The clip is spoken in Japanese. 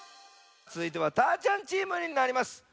つづいてはたーちゃんチームになります。